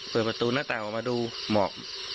เปิดประตูหน้าต่างออกมาดูหมอก